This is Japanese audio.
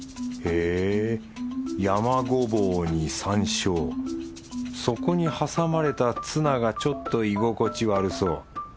へぇ山ごぼうに山椒そこに挟まれたツナがちょっと居心地悪そう。